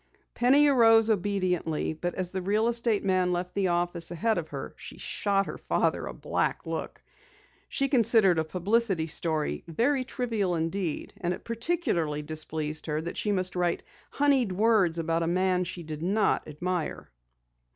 Penny arose obediently, but as the real estate man left the office ahead of her, she shot her father a black look. She considered a publicity story very trivial indeed, and it particularly displeased her that she must write honeyed words about a man she did not admire.